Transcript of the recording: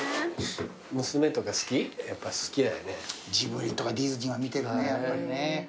ジブリとかディズニーは見てるねやっぱりね。